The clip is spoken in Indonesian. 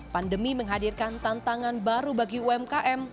pandemi menghadirkan tantangan baru bagi umkm